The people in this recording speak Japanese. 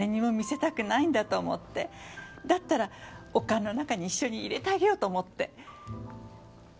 だったらお棺の中に一緒に入れてあげようと思って。